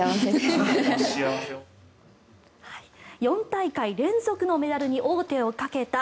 ４大会連続のメダルに王手をかけた